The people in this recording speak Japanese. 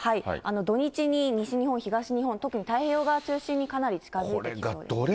土日に西日本、東日本、特に太平洋側を中心に、かなり近づいてくるんですね。